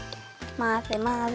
まぜまぜ。